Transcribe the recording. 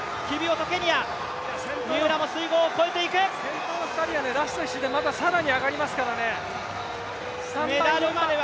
先頭の２人はラスト１周で更に上がりますからね。